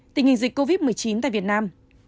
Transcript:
tình hình dịch covid một mươi chín tại việt nam